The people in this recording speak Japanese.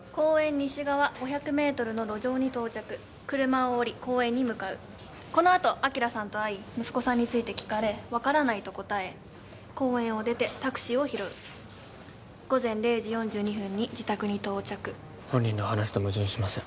西側５００メートルの路上に到着車を降り公園に向かうこのあと昭さんと会い息子さんについて聞かれ分からないと答え公園を出てタクシーを拾う午前０時４２分に自宅に到着本人の話と矛盾しません